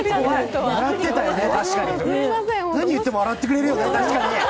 何言っても笑ってくれるよね。